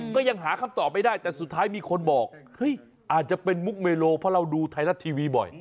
ก็ยังหาคำตอบไม่ได้แต่สุดท้ายมีคนบอกเฮ้ยอาจจะเป็นมุกเมโลเพราะเราดูไทยรัฐทีวีบ่อย